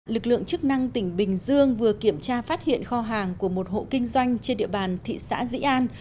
lực lượng chức năng tỉnh bình dương vừa kiểm tra phát hiện kho hàng của một hộ kinh doanh trên địa bàn thị xã dĩ an